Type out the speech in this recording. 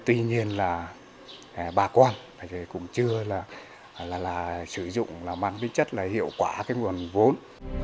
tuy nhiên là bà con cũng chưa là sử dụng là mang với chất là hiệu quả cái nguồn vốn